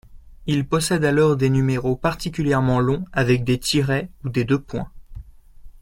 Ils possèdent alors des numéros particulièrement longs avec des tirets ou des deux-points.